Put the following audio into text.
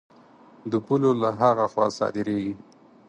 د پولو له هغه خوا صادرېږي.